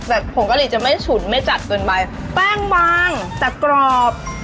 แต่ผงกะหรี่จะไม่ฉุนไม่จัดเกินไปแป้งบางแต่กรอบ